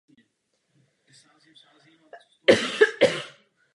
Bohužel ano.